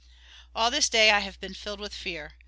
"All this day I have been filled with fear.